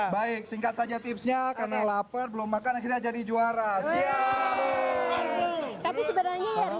baik singkat saja tipsnya karena lapar belum makan akhirnya jadi juara